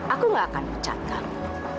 aku gak akan pecat kamu